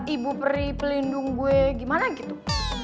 ibu peri pelindung gue gimana gitu